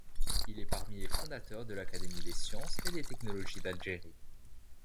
Il est parmi les fondateurs de l'Académie des sciences et des technologies d'Algérie.